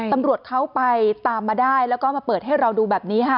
ตำรวจเขาไปตามมาได้แล้วก็มาเปิดให้เราดูแบบนี้ค่ะ